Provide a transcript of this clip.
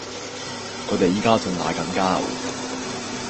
佢哋依家仲嗌緊交